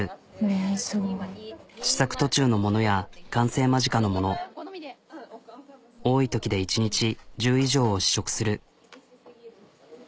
試作途中のものや完成間近のもの多いときで１日１０以上を試食する。